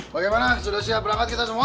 bagaimana sudah siap berangkat kita semua